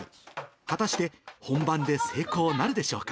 果たして本番で成功なるでしょうか。